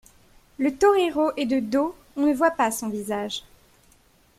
Le torero est de dos, on ne voit pas son visage.